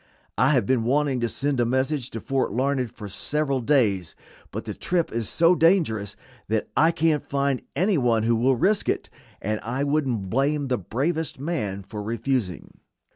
I have been wanting to send a message to Fort Larned for several days, but the trip is so dangerous that I can't find any one who will risk it, and I wouldn't blame the bravest man for refusing."